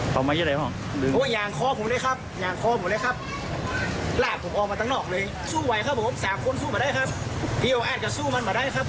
ผมมาไหนแล้วครับผมมาตามนัดที่โลภัษน์ไว้ครับ